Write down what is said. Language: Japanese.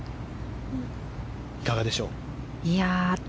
いかがでしょう。